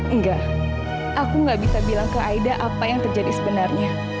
enggak aku gak bisa bilang ke aida apa yang terjadi sebenarnya